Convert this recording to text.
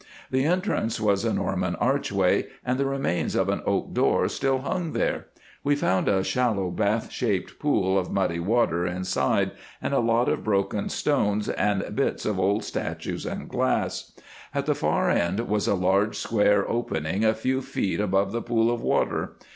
The entrance was a Norman archway, and the remains of an oak door still hung there. We found a shallow bath shaped pool of muddy water inside, and a lot of broken stones and bits of old statues and glass. At the far end was a large square opening a few feet above the pool of water.